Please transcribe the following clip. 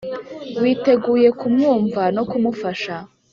witeguye kumwumva no kumufasha